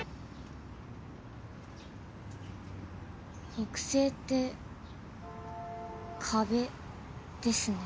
北西って壁ですね。